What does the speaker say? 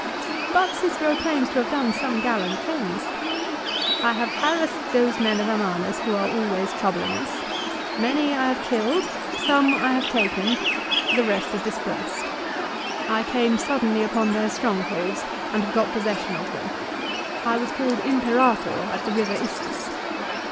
But Cicero claims to have done some gallant things. "1 have harassed those men of Amanus who are always troubling us. Many I have killed ; some I have taken ; the rest are dispersed. I came suddenly upon their strongholds, and have got possession of them. I was called ' Imperator ' at the river Issus."